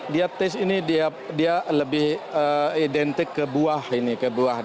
dia taste ini dia lebih identik ke buah ini ke buah